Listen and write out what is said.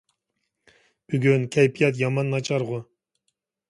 بۈگۈن كەيپىيات يامان ناچارغۇ.